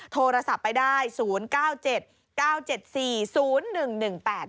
โทรศัพท์ไปได้ศูนย์เก้าเจ็ดเก้าเจ็ดสี่ศูนย์หนึ่งหนึ่งแปด